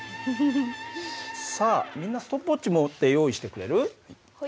さあみんなストップウォッチ持って用意してくれる？